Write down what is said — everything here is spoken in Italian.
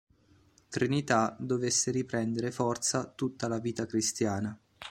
Trinità dovesse riprendere forza tutta la vita cristiana.